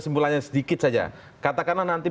simpulannya sedikit saja katakanlah nanti